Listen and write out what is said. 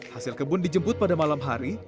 hasil kebun dijemput pada malam hari